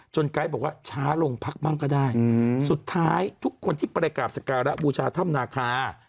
จนไกรท์บอกว่าช้าลงพักบ้างก็ได้อืมสุดท้ายทุกคนที่ประกาศสการะบูชาธรรมนาคา